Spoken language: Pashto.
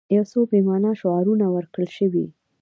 یو څو بې معنا شعارونه ورکړل شوي.